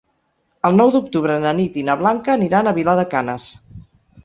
El nou d'octubre na Nit i na Blanca aniran a Vilar de Canes.